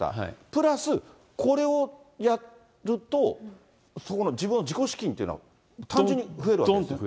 プラスこれをやると、そこの自己資金というのは単純に増えるわけですね。